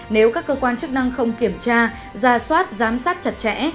nếu các cơ quan chức năng không kiểm tra ra soát giám sát chặt chẽ